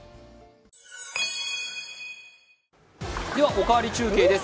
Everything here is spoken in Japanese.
「おかわり中継」です。